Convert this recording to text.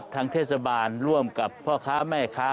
ทางเทศบาลร่วมกับพ่อค้าแม่ค้า